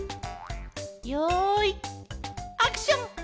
よいアクション！